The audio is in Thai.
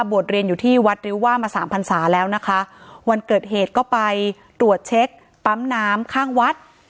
เรียนอยู่ที่วัดริ้วว่ามาสามพันศาแล้วนะคะวันเกิดเหตุก็ไปตรวจเช็คปั๊มน้ำข้างวัด